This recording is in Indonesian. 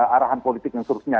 arahan politik yang seterusnya